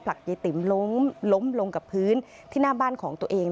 ยายติ๋มล้มลงกับพื้นที่หน้าบ้านของตัวเอง